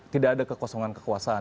tidak ada kekosongan kekuasaan